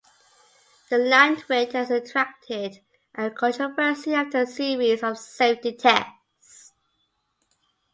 The Landwind has attracted a controversy after a series of safety tests.